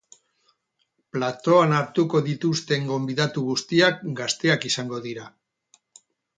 Platoan hartuko dituzten gonbidatu guztiak gazteak izango dira.